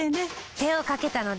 手をかけたので。